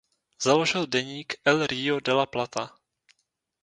Založil deník "El Río de la Plata".